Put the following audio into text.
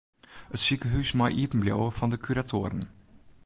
It sikehús mei iepen bliuwe fan de kuratoaren.